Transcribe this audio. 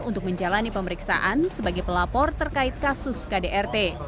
untuk menjalani pemeriksaan sebagai pelapor terkait kasus kdrt